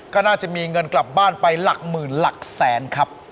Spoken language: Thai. ก็น่าจะมีเงินกลับบ้านไปหลักหมื่นหลักแสนครับ